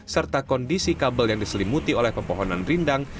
serta kondisi kabel yang diselimuti oleh pepohonan rindang